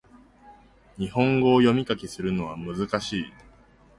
日本語を読み書きするのは難しい